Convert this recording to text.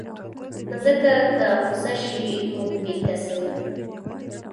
مځکه که غوسه شي، موږ بېکسه یو.